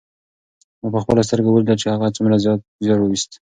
ما په خپلو سترګو ولیدل چې هغه څومره زیار ویوست.